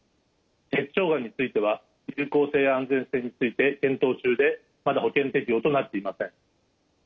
結腸がんについては有効性や安全性について検討中でまだ保険適用となっていません。